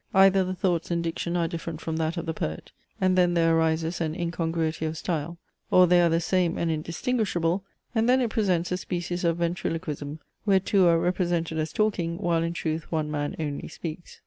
Either the thoughts and diction are different from that of the poet, and then there arises an incongruity of style; or they are the same and indistinguishable, and then it presents a species of ventriloquism, where two are represented as talking, while in truth one man only speaks.